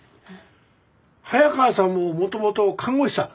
早川さんももともと看護師さん。